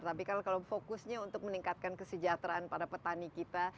tapi kalau fokusnya untuk meningkatkan kesejahteraan para petani kita